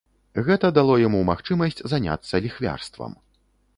Гэта дало яму магчымасць заняцца ліхвярствам.